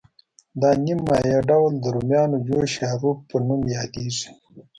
دا نیم مایع ډول د رومیانو جوشه یا روب په نوم یادیږي.